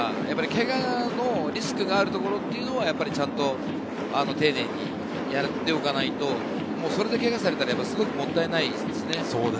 けがのリスクがあるところはちゃんと丁寧にやっておかないと、それでけがをされたらもったいないですしね。